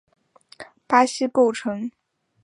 巴西构成。